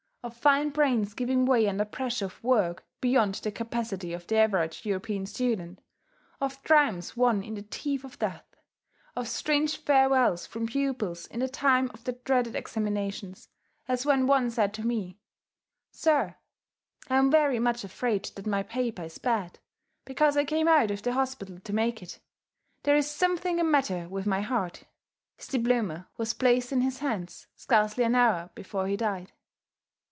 of fine brains giving way under pressure of work beyond the capacity of the average European student, of triumphs won in the teeth of death, of strange farewells from pupils in the time of the dreaded examinations, as when one said to me: "Sir, I am very much afraid that my paper is bad, because I came out of the hospital to make it there is something the matter with my heart." (His diploma was placed in his hands scarcely an hour before he died.)